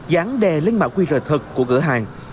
đáng đè lên mã qr thật của cửa hàng